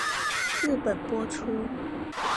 日本播出。